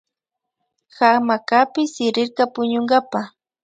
Hamacapi sirirka puñunkapa